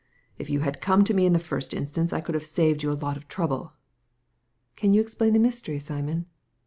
" If you had come to me in the first instance I could have saved you a lot of trouble." '* Can you explain the mystery, Simon